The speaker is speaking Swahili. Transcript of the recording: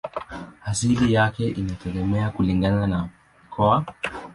Asili yake inategemea kulingana na mkoa.